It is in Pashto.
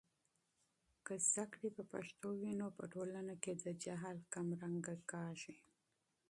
که علم په پښتو وي، نو په ټولنه کې د جهل کمرنګه کیږي.